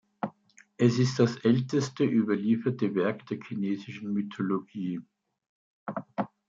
Es ist das älteste überlieferte Werk der chinesischen Mythologie.